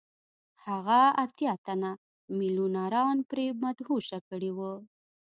هغه اتیا تنه میلیونران پرې مدهوشه کړي وو